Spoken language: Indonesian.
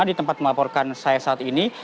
di tempat melaporkan saya saat ini